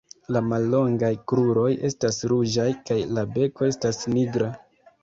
La mallongaj kruroj estas ruĝaj kaj la beko estas nigra.